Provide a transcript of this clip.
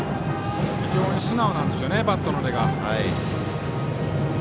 非常に素直なんですよねバットの出が。